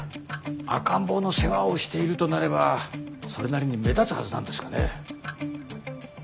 赤ん坊の世話をしているとなればそれなりに目立つはずなんですがね。